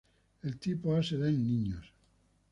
El tipo A se da en niños.